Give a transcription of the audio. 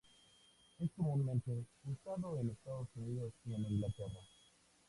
Es comúnmente usado en Estados Unidos y en Inglaterra.